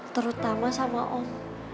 terutama sama om